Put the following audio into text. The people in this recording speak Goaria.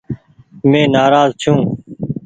مين نآراز ڇون ۔